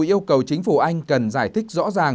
yêu cầu chính phủ anh cần giải thích rõ ràng